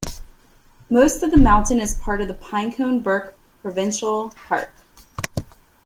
Most of the mountain is part of Pinecone Burke Provincial Park.